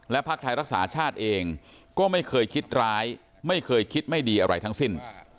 ภาคไทยรักษาชาติเองก็ไม่เคยคิดร้ายไม่เคยคิดไม่ดีอะไรทั้งสิ้น